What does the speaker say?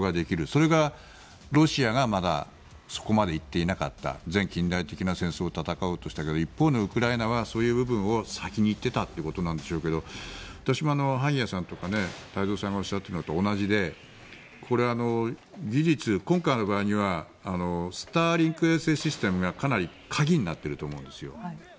それがロシアがまだそこまで行っていなかった前近代的な戦争を戦おうとしたけど一方のウクライナはそういう部分を先に行っていたということなんでしょうけど私も萩谷さんとか太蔵さんがおっしゃっているのと同じでこれ、技術、今回の場合にはスターリンク衛星システムがかなり鍵になっていると思うんですよ。